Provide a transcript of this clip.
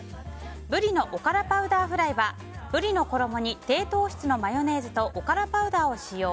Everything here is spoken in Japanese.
ブリのおからパウダーフライはブリの衣に低糖質のマヨネーズとおからパウダーを使用。